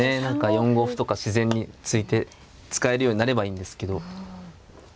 ４五歩とか自然に突いて使えるようになればいいんですけど。